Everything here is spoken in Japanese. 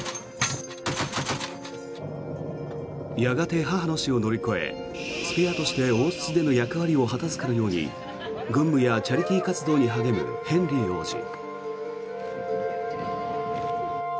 やがて母の死を乗り越えスペアとして王室での役割を果たすかのように軍務やチャリティー活動に励むヘンリー王子。